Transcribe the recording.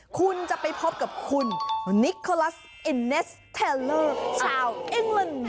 คุณจะไปพบกับคุณนิโคลัสเอ็นเนสเทลเลอร์ชาวเอ็งเลน